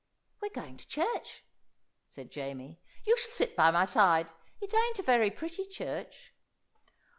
"We're going to church," said Jamie. "You shall sit by my side. It ain't a very pretty church."